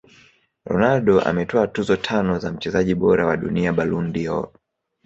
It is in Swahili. Ronaldo ametwaa tuzo tano za mchezaji bora wa dunia Ballon dOr